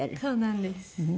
そうなんです。